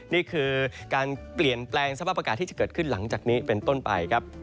นี่คือการเปลี่ยนแปลงสภาพอากาศที่จะเกิดขึ้นหลังจากนี้เป็นต้นไปครับ